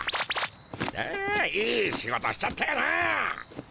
あいい仕事しちゃったよな。